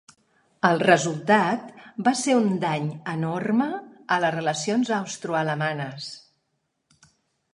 El resultat va ser un dany enorme a les relacions austroalemanes.